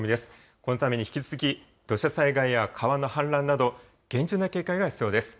このあとも引き続き土砂災害や川の氾濫など厳重な警戒が必要です。